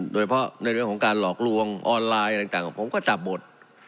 โดยเฉพาะในเรื่องของการหลอกลวงออนไลน์ต่างผมก็จับหมด